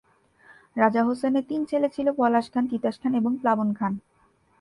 রাজা হোসেনের তিন ছেলে ছিল পলাশ খান, তিতাস খান এবং প্লাবন খান।